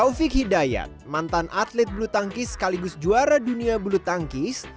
taufik hidayat mantan atlet bulu tangkis sekaligus juara dunia bulu tangkis